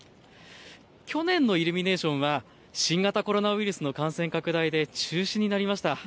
去年のイルミネーションは新型コロナウイルスの感染拡大で中止になりました。